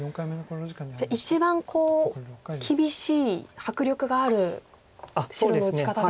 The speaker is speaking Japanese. じゃあ一番厳しい迫力がある白の打ち方でしたか。